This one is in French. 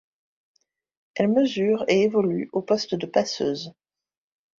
Elle mesure et évolue au poste de passeuse.